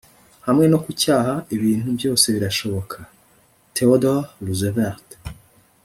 hamwe no kwicyaha ibintu byose birashoboka. - theodore roosevelt